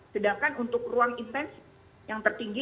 sedangkan untuk ruang intensi yang tertinggi